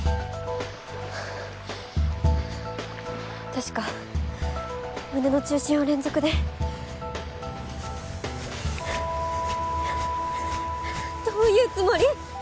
確か胸の中心を連続でどういうつもり？